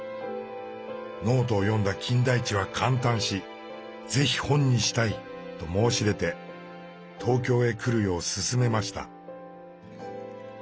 ノートを読んだ金田一は感嘆し「是非本にしたい」と申し出て東京へ来るよう勧めました。